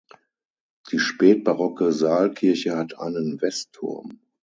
Die spätbarocke Saalkirche hat einen Westturm.